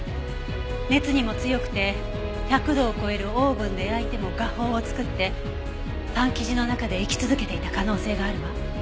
熱にも強くて１００度を超えるオーブンで焼いても芽胞を作ってパン生地の中で生き続けていた可能性があるわ。